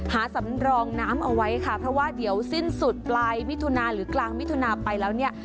สำรองน้ำเอาไว้ค่ะเพราะว่าเดี๋ยวสิ้นสุดปลายมิถุนาหรือกลางมิถุนาไปแล้วเนี่ย